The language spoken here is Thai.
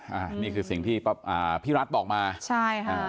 อันนี้คือสิ่งที่อ่าพี่รัฐบอกมาใช่ค่ะ